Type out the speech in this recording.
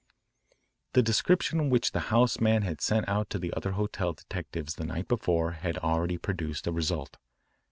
The description which the house man had sent out to the other hotel detectives the night before had already produced a result.